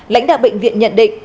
lãnh đạo bệnh viện nhận định